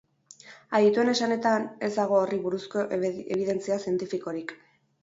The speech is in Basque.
Adituen esanetan ez dago horri buruzko ebidentzia zientifikorik.